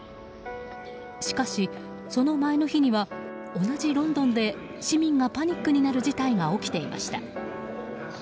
しかし、その前の日には同じロンドンで市民がパニックになる事態が起きていました。